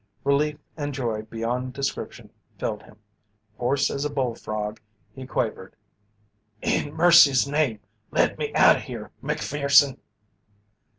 Relief and joy beyond description filled him. Hoarse as a bullfrog, he quavered: "In Mercy's name let me out of here, Macpherson!"